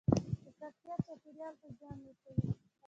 ککړتیا چاپیریال ته زیان رسوي